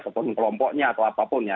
ataupun kelompoknya atau apapun ya